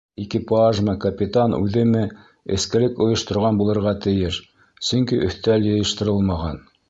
Экипажмы, капитан үҙеме, эскелек ойошторған булырға тейеш, сөнки өҫтәл йыйыштырылмаған.